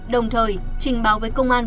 đồng thời trình báo với công an